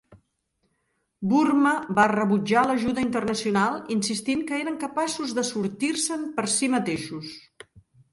Burma va rebutjar l'ajuda internacional, insistint que eren capaços de sortir-se'n per si mateixos.